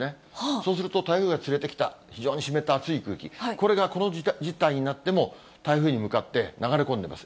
そうすると、台風が連れてきた非常に湿った熱い空気、これがこの事態になっても、台風に向かって流れ込んでいます。